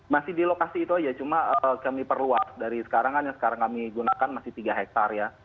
masih di lokasi itu aja cuma kami perluas dari sekarang kan yang sekarang kami gunakan masih tiga hektare ya